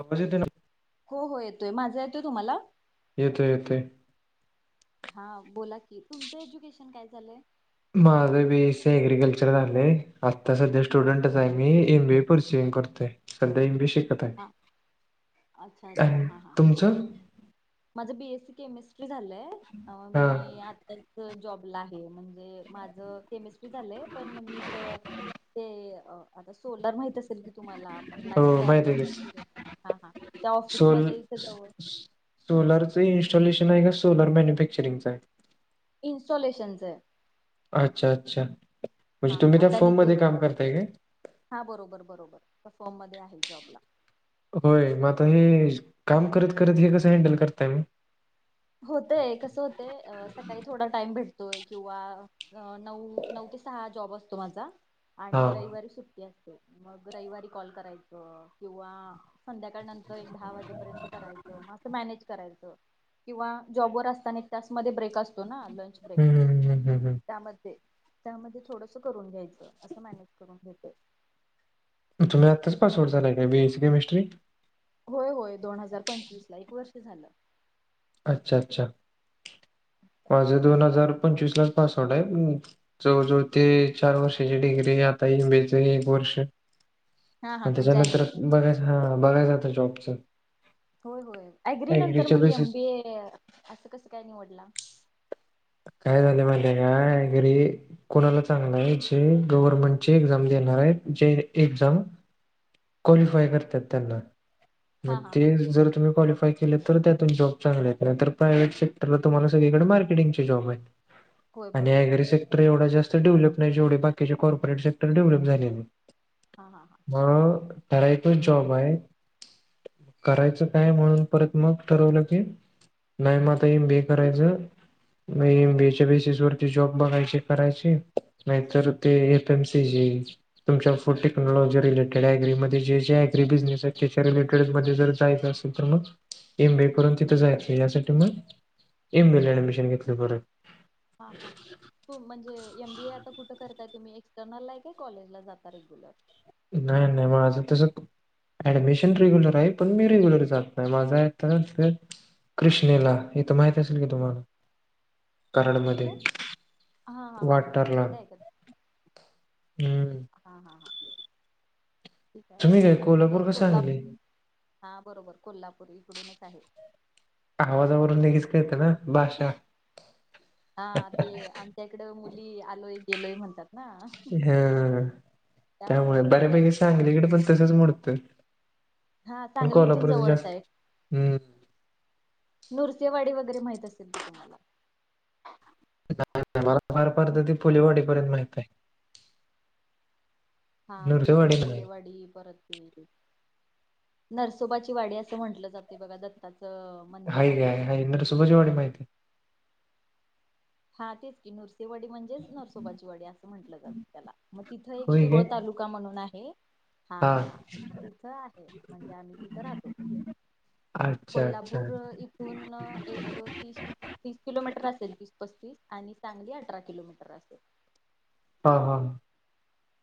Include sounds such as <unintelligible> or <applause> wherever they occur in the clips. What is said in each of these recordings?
म्हंजे तेन. हो हो येतोय माझा येतोय तुम्हाला? येतोय येतोय. हा बोला की, तुमचं एज्युकेशन काय झालंय? माझं बीएससी अग्रिकल्चर झालंय, आता सध्या स्टुडंटच आहे मी एम बी ए पर्सन करतोय. सध्या एमबीए शिकत आहे. हा अच्छा अच्छा आणि हा हा तुमचं? माझं बीएससी केमिस्ट्री झालंय. अं हा मी आता जॉबला आहे म्हणजे माझं केमिस्ट्री झालंय, पण मी त ते आता सोलार माहितच तुम्हाला आपण लाइट हो तयार माहिती आहे करतो की. किरण त्या ऑफिस मध्ये इथ जवळ सोलरचं इन्स्टॉलेशन आहे का? सोलर मॅन्युफॅक्चरिंगचं आहे. इन्स्टॉलेशनसच. अच्छा! अच्छा! म्हणजे हा हा तुम्ही त्या फर्म अदानीचे मध्ये काम करताय काय? हा बरोबर बरोबर तर फॉर्म मध्ये आहे मी जॉबला. होय मग आता हे काम करत करत हे कसं हॅंडल करताय? होतय कसं होतंय सकाळी थोडा टाइम भेटतोय किंवा अ नऊ, नऊ ते सहा जॉब असतो माझा हा. आणि रविवारी सुट्टी असते. मग रविवारी कॉल करायचं किंवा, संध्याकाळ नंतर एक दहा वाजेपर्यंत करायचं म असं मॅनेज करायचं. किंवा जॉबवर असताना एक तास मध्ये ब्रेक असतो ना लंच ब्रेक हम्म हम्म हम्म हम्म हम्म. त्यामध्ये त्यांमध्ये थोडस करून घ्यायचं, असं मॅनेज करून घेते. तुम्ही आत्ताच पास आऊट झालाय काय बीऐसी केमिस्ट्री? होय होय दोन हजार पंचवीसला एक वर्ष झालं. अच्छा! अच्छा! माझं दोन हजार पंचवीस लाच पास आउट आहे. जवळजवळ ते चार वर्षाची डिग्री हे आता एमबीएच हे एक वर्ष. हा हा मग तुमचा त्याच्यानंतर अग्री बघायच हा बघायचं आता जॉबच. होय होय ॲग्री नंतर ऍग्रीच्या मग बेसिस एम बी ए असं कसं काय निवडला. काय झालं माहिते काय घरी. कोणाला चांगलं आहे जे गव्हर्नमेंटची एक्झाम देणार आहेत जे एक्झाम क्वालिफाय करत्यात त्यांना, मग हा हा ते हा जर तुम्ही क्वालिफाय केले तर त्यातून जॉब चांगले आहे, नंतर प्रयव्हेट सेक्टरला तुम्हाला सगळीकडे मार्केटिंगचे जॉब आहेत. होय आणि बरोबर ॲग्रीसेक्टर एवढा जास्त डेव्हलप नाही जेवढे बाकीचे कॉर्पोरेट सेक्टर डेव्हलप झाले. हां हां हां म ठराविकच जॉब आहे. करायचं काय म्हणून परत मग ठरवलं की. नाही म आता एमबीए करायचं. म एमबीए च्या बेसिसवर ती जॉब बघायचे करायचे. नाहीतर ते एफएमसीजि तुमच्या फोर टेक्नॉलॉजी रिलेटेड ॲग्री म जे जे ॲग्री बिजनेस आहेत त्याच्या रिलेटेड मध्ये जर जायचं असेल तर मग, एमबीए करून तिथं जायचं यासाठी मग एमबीला ऍडमिशन घेतलं परत. हां हां हां हो म्हणजे एम बीए आता कुठं करताय तुम्ही? एक्सटर्नलला आहे का कॉलेज ला जाता रेग्युलर. नाही नाही मा माझं तस, ऍडमिशन रेग्युलर आहे, पण मी रेग्युलर जात नाही माझ आता तर, कृष्णेला हे तर माहित असेल की तुम्हाला? मग कराडमध्ये कुठे हा हा हा हा वाठारला. तिकडे आहे का हम्म. हा हा हा. ठीक आहे. तुम्ही काय मी कोल्हापूर इकडं का कोल्हा सांगली? हा, बरोबर कोल्हापूर इकडून चं आहे. आवाजावरून लगेच कळतंय ना. भाषा. हा, ते आमच्या इकडं मुली आलोय गेलोय म्हणतात. ना हा त्यामुळे ओळखत बऱ्यापैकी लगेच सांगलीकड चांगली पण तसंच मोडतो. हा सांगली इथून जवळच हाय. हम्म नृसिंहवाडी वगैरे माहित असेल की तुम्हाला. <unintelligible> फार फार तर फुलेवाडी पर्यंत माहिती हाय. हा ते, इकडं फुलेवाडी परत ते. नरसोबाची वाडी असं म्हटलं जातंय बघा. दत्त दत्ताचं. मंदिर हाय की आहे हाय, नरसोबाची वाडी माहितीय. हा तेच की नुरसेवाडी म्हणजेच, नरसोबाचीवाडी असं म्हंटलं जातं त्याला. मग तिथं एक होय शिरोळ काय? तालु तुका म्हणून आहे हा हा.. तिथं आहे, म्हणजे आम्ही तिथं राहतो. अच्छा अच्छा कोल्हापूर इथून एक तीस तीस किलोमीटर असेल तीस. पस्तीस आणि सांगली आटरा किलोमीटर असलं. हा हा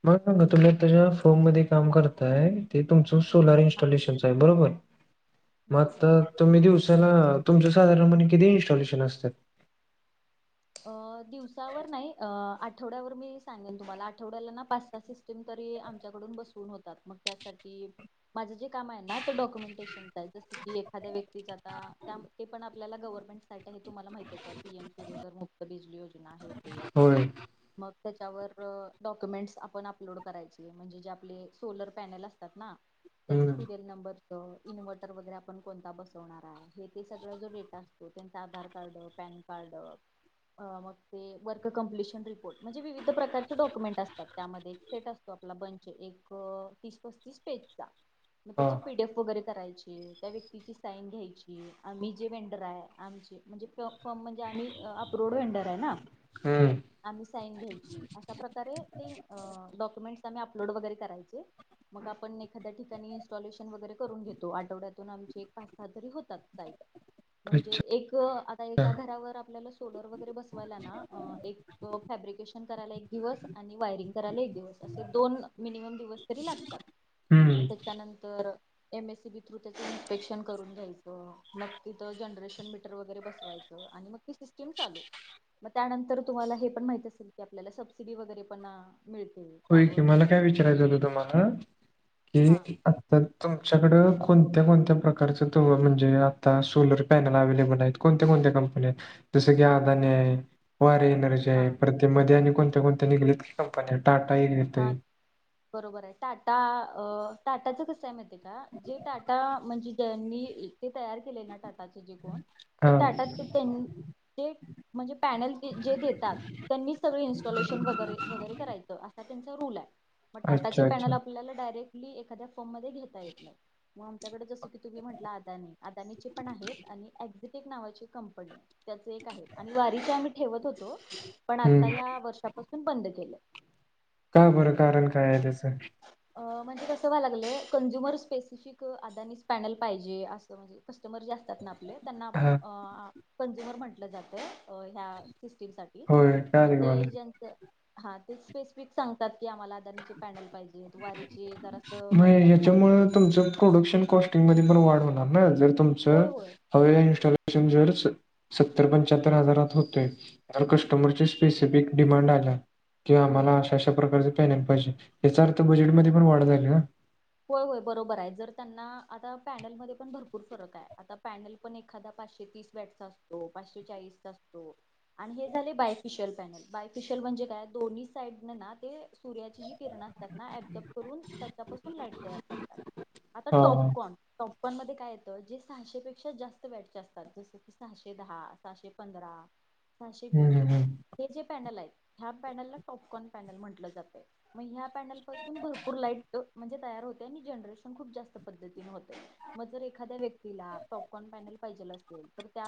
मला सांगा तुम्ही, ज्या फॉम मध्ये काम करताय. ते तुमचं सोलार हा इन्स्टॉलेशनच आहे. बरोबर यात बरोबर हा तुम्ही दिवसा <unintelligible> तुमचं साधारणपणे किती इन्स्टॉलेशन असतं. अ दिवसावर नाही. आठवड्यावर मी सांगेन तुम्हाला, आठवड्याला ना पाच सहा शै तरी आमच्याकडून बसवून होतात. मग त्यासाठी माझं जे काम आहे ना डॉक्युमेंटेशन. जसं की एखाद्या व्यक्तीचं आता ते, पण आपल्याला गव्हरमेंट. तुम्हाला माहितच आहे, पी एम सूर्यधर मुक्त बिजली योजना आहे ते असं. होय मग त्यांच्यावर डॉक्युमेंट्स आपण अपलोड करायचे. म्हणजे जे आपले सोलर पॅनल अस तात ना त्यांचे हम्म सिरीयल नंबर. इन्व्हर्टर वगैरे आपण कोणता बसवणार आहे, हे ते सगळं जो डेटा असतो. त्यांचं आधार कार्ड पॅन कार्ड. मग ते वर्क कं्प्लिशन रिपोर्ट म्हणजे, विविध प्रकारचे डॉक्युमेंट असतात. त्यांमध्ये सेट असतो आप आपला बंच एक तीस पस्तीस पेजचा. <inaudible> मग त्यांची पी डी एफ वगैरे. करायची त्या व्यक्तीची साईन घ्यायची, आम्ही जे वेंडर आहे. आमची म्हणजे फ्रॉम म्हणजे आम्ही. रोड वेंडर आहे ना. हम्म आम्ही साईन घ्यायची, अशा प्रकारे का डॉक्युमेंट्स आम्ही अपलोड वगैरे करायचे. मग आपण एखाद्या ठिकाणी इन्स्टॉलेशन वगैरे करून घेतो, आठवड्यातून आमचे एक पाच सहा तरी होतात साईट. म्हणजे अच्छा. एक, आता एका घरावर आपल्याला सोलर वगैरे बसवायला ना एक. फॅब्रिकेशन करायला एक दिवस, आणि वायरिंग करायला एक दिवस असं दोन मिनिम दिवस. तरी लागतात, मग हं. त्याच्यानंतर. M S C B through त्याचं इन्स्पेक्शन करून घ्यायचं, मग तिथं जनरेशन मीटर वगैरे बसवायचं. आणि मग ती सिस्टम चालू. मग त्यानंतर, तुम्हांला हे पण माहित असेल की, आपल्याला सबसिडी पण मिळते. होय की, त्यावर मला काय विचारायचं होतं तुम्हाला हा की. तर तुमच्याकडं कोणत्या कोणत्या प्रकारचं तु म्हणजे, आता सोलर पॅनल अव्हेलेबल आहे. कोणत्या कोणत्या कंपन्या जस की, अदानी वारी एनर्जी. हा परत मध्ये त्या कोणत्या कोणत्या कंपन्या निघाल्या आहेत की टाटा हा येतोय. बरोबर आहे टाटा टाटाचं कसं आहे माहीते का जे टाटा म्हणजे ज्यांनी ते तयार केले ना टाटाचे जे कोण ते हां टाटात त्यां ते म्हणजे पॅनल जे देतात त्यांनी सगळ इन्स्टॉलेशन वगैरे वगैरे करायचं. रूल हाय म टाटा चे अच्छा अच्छा पॅनल आपल्याला डायरेक्टली एखाद्या फॉर्म म घेता येत नायत. मग आमच्याकडे जसं की तुम्ही म्हटलं अदानी अदानीची पण आहेत आणि एक्झिटेक नावाची कंपनी त्याच एक आहे आणि वारीच आम्ही ठेवत होतो पण आता हं. या वर्षापासून बंद केलंय. का बरं कारण काय त्याच. अ म्हणजे कसं व्हाय लागलंय कंझ्युमर स्पेसिफिक अदानीस स्पॅनल पाहिजे असं. म्हणजे कस्टमर जे असतात ना आपले त्यांना हां कंझ्युमर म्हटलं जात आहे. ह्या सिस्टीमसाठी होय मग कळालं की मला ते ज्याच हा तेच. स्पेसिफिक सांगतात की आम्हाला आदानीचे पॅनल पाहिजेत वारीचे जरास वजनाने हलके तुमच प्रोडक्शन कॉस्टिंग म पण वाढ होणार ना जर तुमच होय होय हवेला इनस्टॉलेशन जरच सत्तर पंच्याहत्तर हजारात होतोय त्यावर कस्टमरच्या स्पेसिफिक डिमांड आहे. किंवा हम्म आम्हाला अशाशा पॅनल याचा अर्थ बजेटमध्ये पण वाढ झाली ना. होय होय बरोबर आहे जर त्यांना आता पॅनलमध्ये पण भरपूर फरक आहे. आता पॅनल पण एखादा पाचशे तीस, बॅटचा असतो पाचशे चाळीसचा, असतो आणि हे झाले बायफिशियल पॅनेल बायफिशल म्हणजे काय दोन्ही ते सूर्याची जी किरण ऑब्जोब करून त्याच्या पासून लाईट तयार करतात आता हा हा टॉप कोण कोन मध्ये काय येत जे सहाशे पेक्षा जास्त बायकाचे असतात जस की सहाशे दहा सहाशे पंधरा <inaudible> सहाशे हम्म वीस हम्म हे जे पॅनल आहेत ह्या पॅनलला पॉपकॉर्न पॅनल म्हटलं जाते मग ह्या पॅन्ल पासून भरपूर लाईट म्हणजे तयार होते आणि जनरेशन खूप जास्त पद्धतीने होते. मग जर एखाद्या व्यक्तीला टॉपकॉर्न पॅनल पाहिजेला असेल तर त्या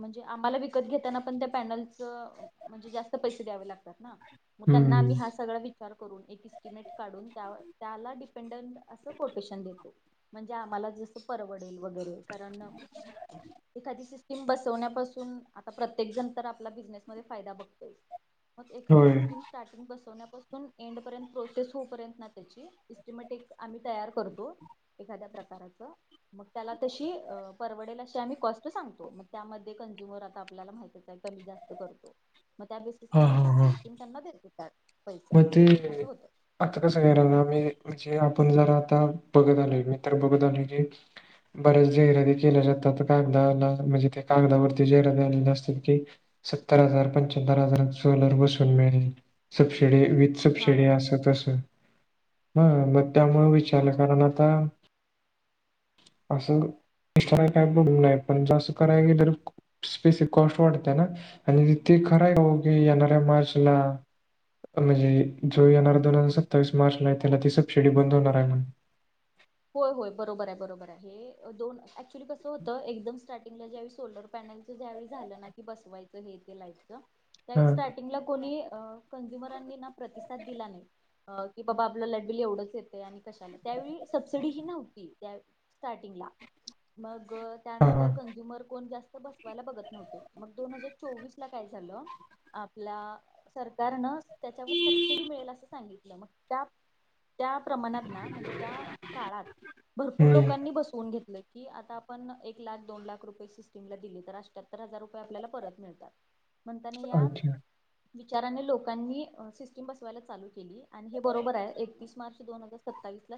म्हणजे आम्हाला विकत घेताना पण त्या पॅनलच म्हणजे जास्त पैसे द्यावे लागतात ना. मग त्यांना हम्म आम्ही हा सगळा विचार करून एक इस्टिमेट काढून त्या त्याला अस कोटेशन देतो म्हणजे आम्हाला जसं. परवडेल वगैरे कारण एखादी स्कीम बसवण्यापासून आता प्रत्येक जण तर आपला बिझनेसमध्ये फायदा बघतोय. मग एखादी होय स्कीम स्टार्टिंग बसवण्यापासून एंडपर्यंत प्रोसेस होपर्यंत ना त्याची इस्टिमेटिक आम्ही तयार करतो एखाद्या प्रकाराचं. मग त्याला तशी परवडेलाशी आम्ही कॉस्ट सांगतो मग त्या मध्ये कंझ्युमर आता आपल्याला कमी जास्त करतो मग त्या हा बे हा हा आम्ही स्कीम त्यांना देतो. मग पैशाने ते असं होतं आता कसं कारण आमही म्हणजे आपण जर आता बघत आलोय मी तर बघत आलो की. बऱ्याच जहिराती केल्या जातात कागदाला म्हणजे ते कागदावरती जहिराती आलेली असतात ते. सत्तर हजार पंचहत्तर हजार सोलार बसून मिळेल. विथ हा सबसिडी अस कसं ह मग त्यामुळं हा विचारलं कारण आता असं <unintelligible> काय बघूय पण ज असं कराय गेल तर स्पेस कॉस्ट वाढतय ना आणि ते खरा ये आवो येणाऱ्या मार्चला म्हणजे जो येणार दोन हजार सत्तावीस मार्च, हाय त्याना ती सबसिडी बंद होणार आहे म्हण. होय होय बरोबर आहे बरोबर आहे, हे दोन ऍक्च्युली कसं होतं एकदम स्टार्ट. ज्यावेळी सोलर पॅनलच ज्यावेळी झालं ना, की बसवायचं हे ते लाईटच. त्यावेळी हा स्टार्टिंगला कोणी कंझ्युमरांनी ना प्रतिसाद दिला नाही. की बाबा आपला लाईट बिल एवढंच येतय, आणि कशाला त्यावेळी. सबसिडी ही नव्हती त्या स्टार्टिंगला. मग हा हा त्यानंतर कंझ्युमर कोण जास्त बसवायला बघत नव्हत, मग दोन हजार चोवीस ला काय झालं? आपल्या सरकारनं त्याच्यावर सबसिडी मिळेल असं सांगितलं, मग त्या त्या प्रमाणात ना म्हणजे त्या. काळात भरपूर हम्म लोकांनी बसवून घेतलंय. कि आता आपण एक लाख दोन लाख रुपये सिस्टीम ला दिली तर, अठ्याहत्तर हजार रुपये आपल्याला परत मिळतात. <inaudible> म्हणताना या अच्छा विचाराने लोकांनी सिस्टीम बसवायला चालू केली.. आणि हे बरोबर आहे, एकतीस मार्च दोन हजार सत्तावीसला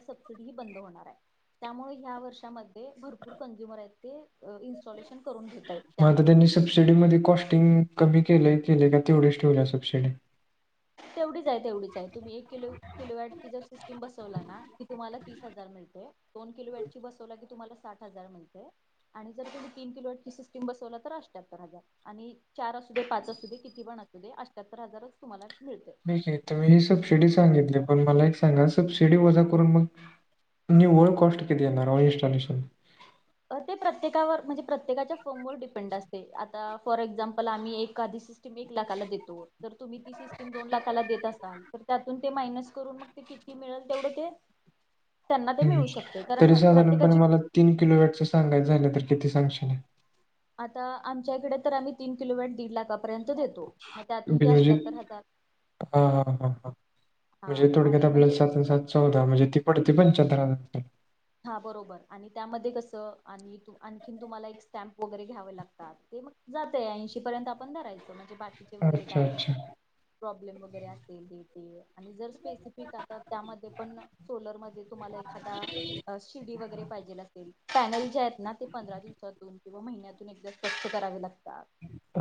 बंद होणार आहे, त्यामुळे या वर्षांमध्ये भरपूर कंज्यूमर आहेत ते इन्स्टॉलेशन करून घेतायत, मग आता त्यामुळे. त्यांनी सबसिडीमध्ये कॉस्टिंग कमी केलं केलेय का? तेवढीच ठेवल्या सबसिडी? तेवढीच आहे तेवढच आहे, तुम्ही एक किलो किलो वॅट जर सिस्टीम बसवला ना तुम्हाला तीस हजार मिळते, दोन किलोवॅटची बसवला की तुम्हाला साठ हजार मिळते आणि तुम्ही तीन किलोटची सिस्टीम बसवला तर अष्ट्याहत्तर हजार. आणि चार असू दे, पाच असू दे, किती पण असू दे, अष्ठ्याहत्तर हजारच तुम्हाला मिळतय. तर मी ही सबसिडी सांगितली, पण मला एक सांगा? सबसिडी वजा करून मग निव्वळ कॉस्ट किती येणार? All installation? ते प्रत्येकावर म्हणजे प्रत्येकाच्या फोमवर डिपेंड असतय आ आता फॉर एक्झा्पल आम्ही एखादी एक लाखाला देतो, जर तुम्ही तीस स्टीम दोन लाखाला देत असाल तर त्यातून ते मायनस करून मग ते किती मिळेल तेवढं ते त्यांना ते हम्म. मिळू शकते, कारण तरी साधारणपणे प्रत्येकाची मला तीन किलो वेटचं सांगयच झालं तर, किती सांगशीलय? आता आमच्या इकडे तर, आम्ही तीन किलोमीटर दीड लाखापर्यंत देतो <unintelligible> मग त्यातून ते हा अठ्याहत्तर हजार हा हा हा हा म्हणजे थोडक्यात आणि म्हणजे आपल्याला सात सात चौदा म्हणजे ती पडते पंचाहत्तर हजारात. हा बरोबर, आणि त्यामध्ये कसं आणि आणखीन तुम्हाला एक स्टॅम्प वगैरे घ्यावे लागतात ते मग जातय, ऐंशी पर्यंत आपण धरायचं म्हणजे वगैरे अच्छा काय अच्छा प्रॉब्लेम वगैरे असेल की. ते आणि जर स्पेसिफिक आता, त्यामध्ये पण सोलरमध्ये तुम्हाला एखादा शिडी वगैरे पाहिजेल असेल, पॅनल जे आहेत ना ते पंधरा दिवसातून किवा महिन्यातून एकदा स्वच्छ करावे लागतात,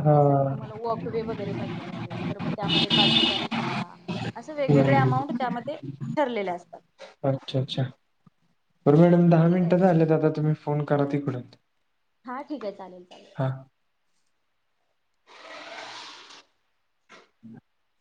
मग त्यासाठी तुम्हाला वॉकवे वगैरे पाहिजे तर मग त्यामध्ये पाच हजार एक एक्स्ट्रा असं वेगवेगळ्या हम्म. अमाऊंट त्यामध्ये ठरलेले असतात. अच्छा! अच्छा! बर मॅडम दहा ठीक आहे मिनटं झाल्यात आता तुम्ही फोन करा तिकडून. हा ठीक आहे चालेल. हां <inaudible>